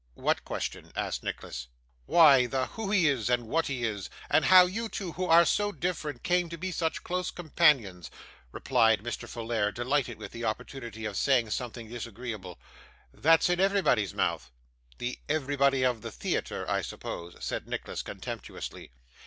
'What question?' asked Nicholas. 'Why, the who he is and what he is, and how you two, who are so different, came to be such close companions,' replied Mr. Folair, delighted with the opportunity of saying something disagreeable. 'That's in everybody's mouth.' 'The "everybody" of the theatre, I suppose?' said Nicholas, contemptuously.